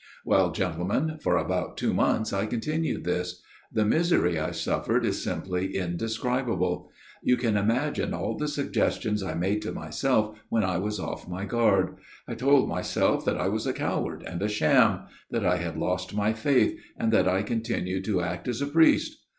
" Well, gentlemen, for about two months I continued this. The misery I suffered is simply indescribable. You can imagine all the suggestions 116 A MIRROR OF SHALOTT I made to myself when I was off my guard. I told myself that I was a coward and a sham that I had lost my faith and that I continued to act as a priest